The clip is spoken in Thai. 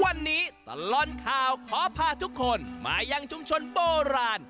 วันนี้ตลอดข่าวขอพาทุกคนมายังชุมชนโบราณ